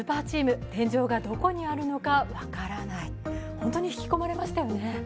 本当にひき込まれましたよね。